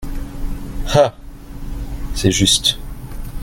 Ah ! c’est juste.